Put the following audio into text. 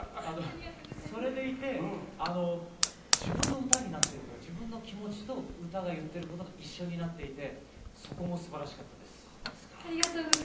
それでいて自分の歌になってるというか自分の気持ちと歌がいっていることが一緒になっていてそこもすばらしかったです。